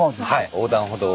横断歩道を。